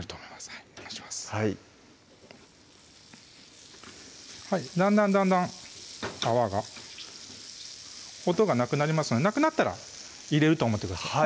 はいだんだんだんだん泡が音がなくなりますのでなくなったら入れると思ってください